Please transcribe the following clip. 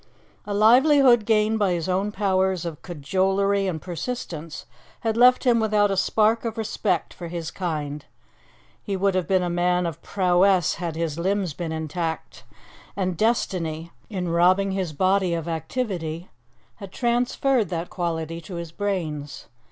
A livelihood gained by his own powers of cajolery and persistence had left him without a spark of respect for his kind. He would have been a man of prowess had his limbs been intact and destiny, in robbing his body of activity, had transferred that quality to his brains.